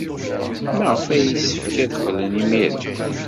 Maɣef ay yessefk ad qqlen imir-a?